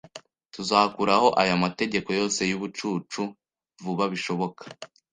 Tuzakuraho aya mategeko yose yubucucu vuba bishoboka